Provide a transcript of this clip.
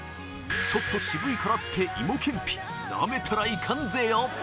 ちょっと渋いからって芋けんぴなめたらいかんぜよ